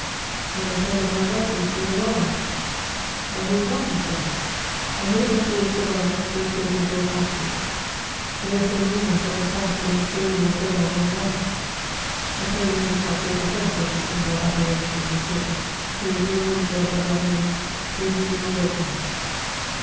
"Then the term of my life will soon arrive." "I hope not, monsieur; I hope that you will survive to record your great actions; they are so numerous that the task will ensure you a term of long life." Napoleon did not take offense at this simple appellation of monsieur; he revealed himself at that moment through his real greatness.